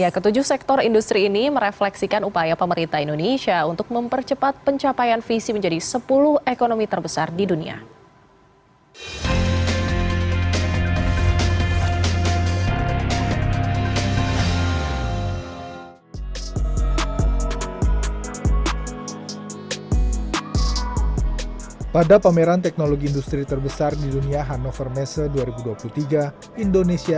ketujuh sektor industri ini merefleksikan upaya pemerintah indonesia untuk mempercepat pencapaian visi menjadi sepuluh ekonomi terbesar di dunia